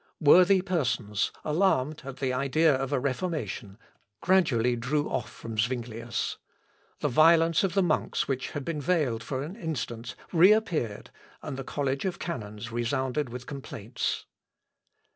Worthy persons alarmed at the idea of a Reformation, gradually drew off from Zuinglius. The violence of the monks which had been veiled for an instant, reappeared, and the college of canons resounded with complaints.